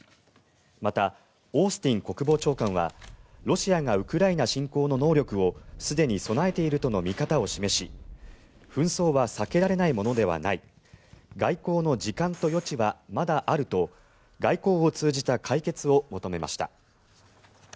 また、オースティン国防長官はロシアがウクライナ侵攻の能力をすでに備えているとの見方を示し紛争は避けられないものではない外交の時間と余地はまだあると外交を通じた解決を求めました。